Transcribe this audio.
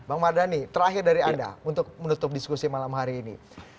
bang mardhani terakhir dari anda untuk menutup diskusi malam hari ini